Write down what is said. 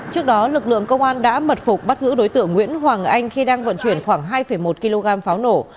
trước đó lực lượng công an đã mật phục bắt giữ đối tượng nguyễn hoàng anh khi đang vận chuyển khoảng hai một kg pháo nổ